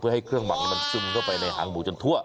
เพื่อให้เครื่องหมักมันซึมเข้าไปในหางหมูจนทั่ว